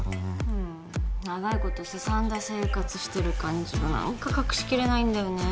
うん長いことすさんだ生活してる感じが何か隠しきれないんだよね